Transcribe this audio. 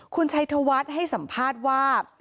คุณชัยธวัฒน์ให้สัมภาษณ์ว่า